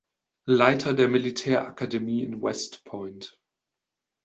Leiter der Militärakademie in West Point.